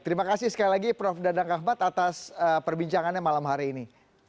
terima kasih sekali lagi prof dadang kahmat atas perbincangannya malam hari ini